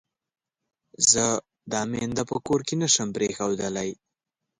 زه دا مينده په کور کې نه شم پرېښودلای.